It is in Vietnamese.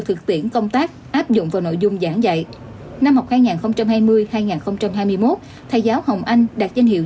thực tiễn công tác áp dụng vào nội dung giảng dạy năm học hai nghìn hai mươi hai nghìn hai mươi một thầy giáo hồng anh đạt danh hiệu